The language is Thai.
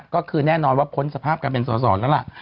ก็คือแน่นอนว่าพ้นสภาพการเป็นสอสอแล้วล่ะ